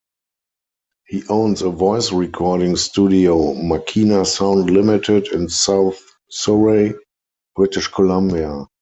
He owns a voice recording studio Makena Sound Limited in South Surrey, British Columbia.